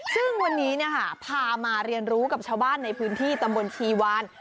ซึ่งวันนี้พามาเรียนรู้กับชาวบ้านในพื้นที่ตำบลชีวาน